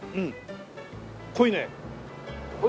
濃いね。